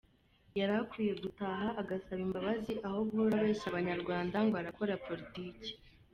Yari akwiye gutaha agasaba imbabazi aho guhora abeshya abanyarwanda ngo arakora politiki.